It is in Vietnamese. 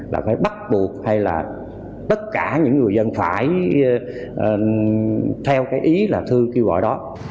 là phải bắt buộc hay là tất cả những người dân phải theo cái ý là thư kêu gọi đó